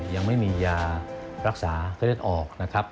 ยังไม่มียารักษาไข้เลือดออกนะครับ